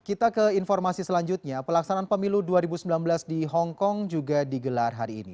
kita ke informasi selanjutnya pelaksanaan pemilu dua ribu sembilan belas di hongkong juga digelar hari ini